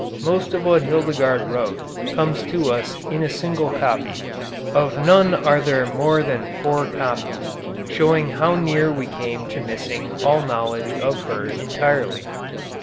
Most of what Hildegarde wrote comes to us in a single copy, of none are there more than four copies, showing how near we came to missing all knowledge of her entirely.